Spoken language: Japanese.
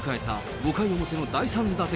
５回表の第３打席。